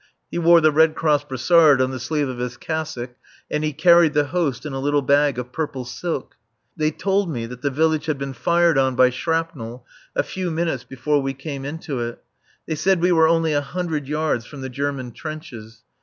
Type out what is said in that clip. He wore the Red Cross brassard on the sleeve of his cassock and he carried the Host in a little bag of purple silk. They told me that the village had been fired on by shrapnel a few minutes before we came into it. They said we were only a hundred [?] yards from the German trenches.